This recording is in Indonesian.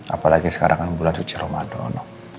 apalagi sekarang kan bulan suci ramadan